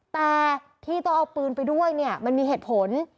แต่ที่ต้องเอาปืนไปด้วยเนี่ยมันมีเหตุผล